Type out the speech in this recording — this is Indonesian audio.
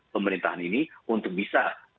pemerintahan ini untuk bisa